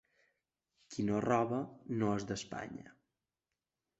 Qui no roba no és d'Espanya.